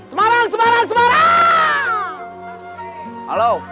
semarang semarang semarang